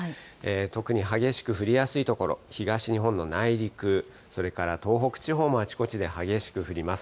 特に激しく降りやすい所、東日本の内陸、それから東北地方もあちこちで激しく降ります。